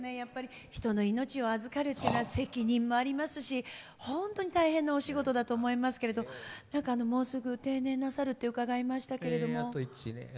人の命を預かるっていうのは責任もありますし、本当に大変なお仕事だと思いますけどもうすぐ定年なさると伺いましたけども。